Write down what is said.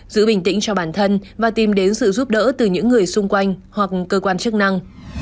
giữ bình tĩnh cho bản thân và tìm đến sự giúp đỡ từ những người xung quanh hoặc cơ quan chức năng